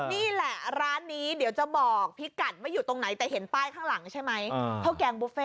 นี่แหละร้านนี้เดี๋ยวจะบอกพี่กัดว่าอยู่ตรงไหนแต่เห็นป้ายข้างหลังใช่ไหมข้าวแกงบุฟเฟ่